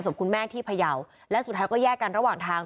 เป็นคนแม่ที่พยาวและสุดท้ายเจอกันระหว่างทาง